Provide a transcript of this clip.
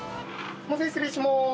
すみません失礼します。